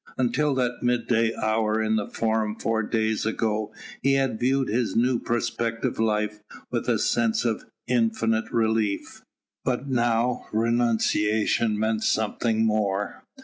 Until that midday hour in the Forum four days ago, he had viewed his new prospective life with a sense of infinite relief. But now renunciation meant something more.